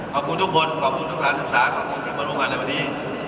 ขอบคุณทุกคนขอบคุณประธานสรรค์ขอบคุณที่มาโรงงานในวันนี้